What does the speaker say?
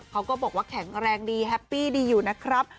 เขาก็บอกว่าแข็งแรงดีแฮปปี้ดีอยู่นะครับ